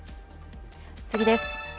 次です。